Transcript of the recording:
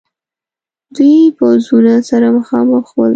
دو پوځونه سره مخامخ ول.